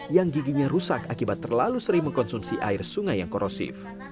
yang giginya rusak akibat terlalu sering mengkonsumsi air sungai yang korosif